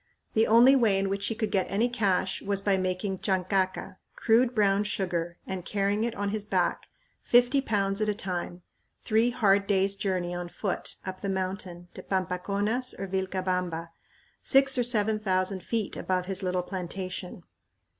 The only way in which he could get any cash was by making chancaca, crude brown sugar, and carrying it on his back, fifty pounds at a time, three hard days' journey on foot up the mountain to Pampaconas or Vilcabamba, six or seven thousand feet above his little plantation.